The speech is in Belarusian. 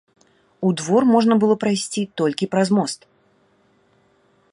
У двор можна было прайсці толькі праз мост.